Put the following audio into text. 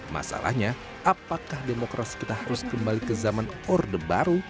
masalahnya apakah demokrasi kita harus kembali ke zaman orde baru